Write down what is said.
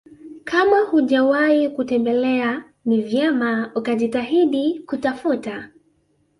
kama hujawahi kutembelea ni vyema ukajitahidi kutafuta